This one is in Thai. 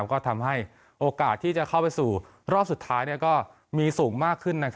ก็ทำให้โอกาสที่จะเข้าไปสู่รอบสุดท้ายก็มีสูงมากขึ้น